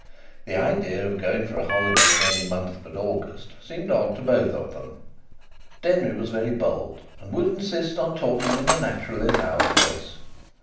The idea of going for a holiday in any month but August seemed odd to both of them. Denry was very bold and would insist on talking in a naturally loud voice.